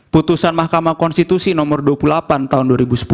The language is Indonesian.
putusan mahkamah konstitusi nomor dua puluh delapan tahun dua ribu sepuluh